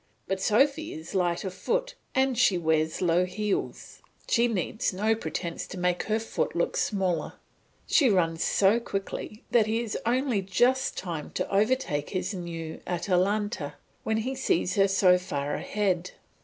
But Sophy is light of foot and she wears low heels; she needs no pretence to make her foot look smaller; she runs so quickly that he has only just time to overtake this new Atalanta when he sees her so far ahead.